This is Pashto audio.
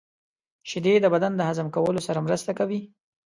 • شیدې د بدن د هضم کولو سره مرسته کوي.